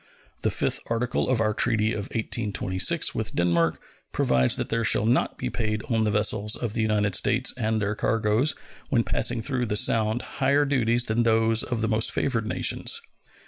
The fifth article of our treaty of 1826 with Denmark provides that there shall not be paid on the vessels of the United States and their cargoes when passing through the Sound higher duties than those of the most favored nations.